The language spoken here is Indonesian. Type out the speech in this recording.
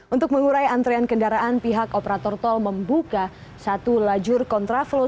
untuk mengurai antrean kendaraan pihak operator tol membuka satu lajur kontraflow